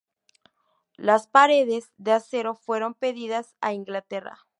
Las paredes de acero fueron pedidas a Inglaterra.